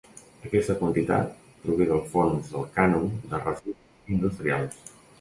Aquesta quantitat prové del fons del cànon de residus industrials.